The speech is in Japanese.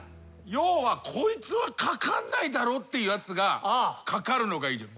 要はこいつはかかんないだろうってやつがかかるのがいいじゃん。